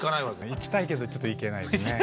いきたいけどちょっといけないですね。